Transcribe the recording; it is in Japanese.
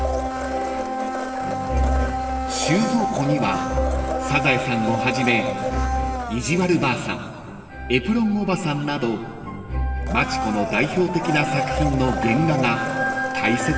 ［収蔵庫には『サザエさん』をはじめ『いじわるばあさん』『エプロンおばさん』など町子の代表的な作品の原画が大切に保管されています］